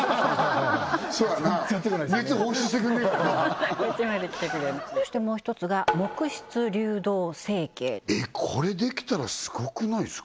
そうだな熱放出してくれねえからそしてもう一つが木質流動成形えっこれできたらすごくないですか？